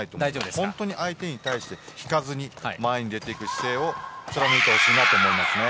本当に相手に対して引かずに前に出ていく姿勢を貫いてほしいと思います。